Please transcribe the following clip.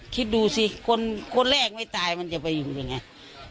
คิดดูสิคนแรกไม่ตายมันจะไปอยู่ยังไง